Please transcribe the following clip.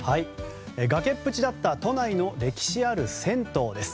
崖っぷちだった都内の歴史ある銭湯です。